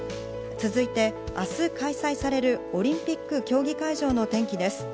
続いて、明日開催されるオリンピック競技会場の天気です。